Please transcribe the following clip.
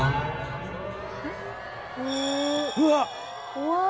怖い。